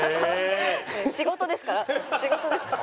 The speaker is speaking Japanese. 仕事ですから仕事ですから。